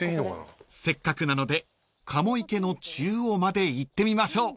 ［せっかくなので鴨池の中央まで行ってみましょう］